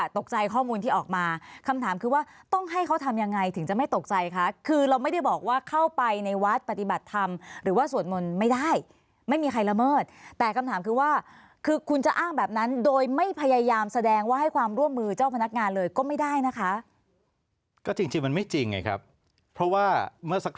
ตกใจข้อมูลที่ออกมาคำถามคือว่าต้องให้เขาทำยังไงถึงจะไม่ตกใจคะคือเราไม่ได้บอกว่าเข้าไปในวัดปฏิบัติธรรมหรือว่าสวดมนต์ไม่ได้ไม่มีใครละเมิดแต่คำถามคือว่าคือคุณจะอ้างแบบนั้นโดยไม่พยายามแสดงว่าให้ความร่วมมือเจ้าพนักงานเลยก็ไม่ได้นะคะก็จริงมันไม่จริงไงครับเพราะว่าเมื่อสัก